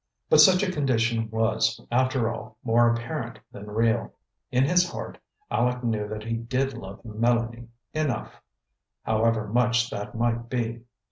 But such a condition was, after all, more apparent than real. In his heart Aleck knew that he did love Mélanie "enough," however much that might be.